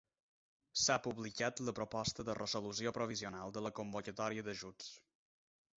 S'ha publicat la proposta de resolució provisional de la convocatòria d'ajuts.